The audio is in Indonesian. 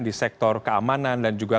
di sektor keamanan dan juga